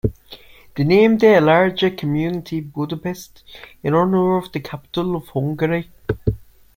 They named their larger community Budapest in honor of the capital of Hungary.